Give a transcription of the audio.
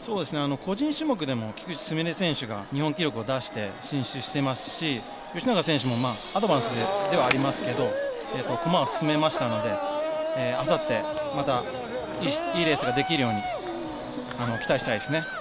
個人種目でも菊池純礼選手が日本記録を出して進出していますし吉永選手もアドバンスではありますが駒を進めましたのであさって、またいいレースができるように期待したいですね。